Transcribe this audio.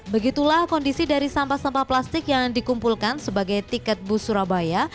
begitulah kondisi dari sampah sampah plastik yang dikumpulkan sebagai tiket bus surabaya